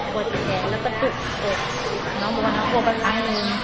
ปวดอยู่แดงแล้วก็ตุ๊กตุ๊กน้องปวดน้องปวดไปทั้งหนึ่ง